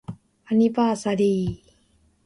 アニバーサリー